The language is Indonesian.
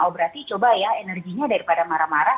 oh berarti coba ya energinya daripada marah marah